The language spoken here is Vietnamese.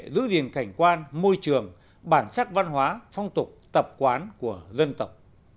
giữ gìn cảnh quan môi trường bản sắc văn hóa phong tục tập quán của dân tộc